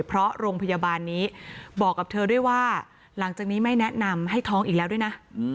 เพราะโรงพยาบาลนี้บอกกับเธอด้วยว่าหลังจากนี้ไม่แนะนำให้ท้องอีกแล้วด้วยนะ